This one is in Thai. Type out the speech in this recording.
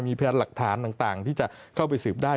มีพยานหลักฐานต่างที่จะเข้าไปสืบได้